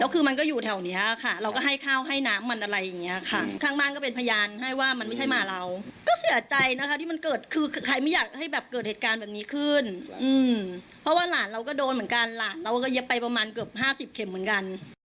ก็เย็บไปประมาณเกือบ๕๐เข็มเหมือนกัน